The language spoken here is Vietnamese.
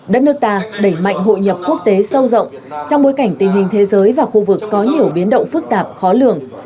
đất nước ta đẩy mạnh hội nhập quốc tế sâu rộng trong bối cảnh tình hình thế giới và khu vực có nhiều biến động phức tạp khó lường